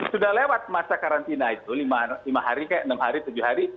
sudah lewat masa karantina itu lima hari enam hari tujuh hari